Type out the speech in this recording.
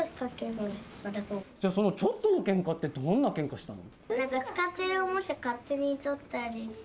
じゃあそのちょっとのケンカってどんなケンカしたの？